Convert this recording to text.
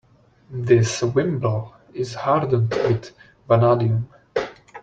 This wimble is hardened with vanadium.